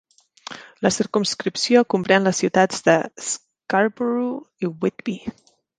La circumscripció comprèn les ciutats de Scarborough i Whitby.